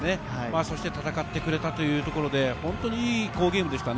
そして戦ってくれたというところで、好ゲームでしたね。